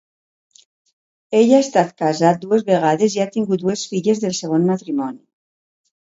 Ell ha estat casat dues vegades i ha tingut dues filles del segon matrimoni.